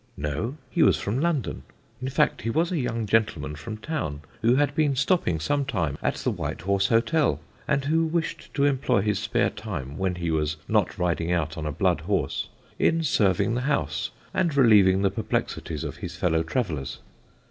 'No,' he was from London. In fact, he was a young gentleman from town, who had been stopping some time at the White horse Hotel, and who wished to employ his spare time (when he was not riding out on a blood horse) in serving the house, and relieving the perplexities of his fellow travellers.